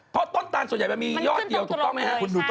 เพราะต้นตาลส่วนใหญ่มันมียอดเดียวถูกต้องไหมฮะมันขึ้นตรงตรงเลย